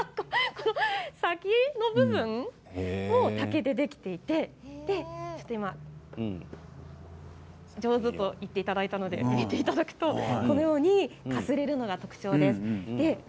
この先の部分が竹でできていて上手と言っていただいたので見ていただくと、このようにかすれるのが特徴です。